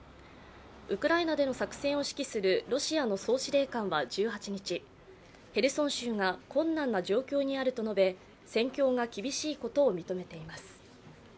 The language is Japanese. ウクライナでの作戦を指揮するロシアの総司令官は１８日、ヘルソン州が困難な状況にあると述べ戦況が厳しいことを認めています。